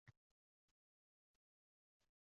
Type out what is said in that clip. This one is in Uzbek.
Boshi tanasidan, qalbi hayotdan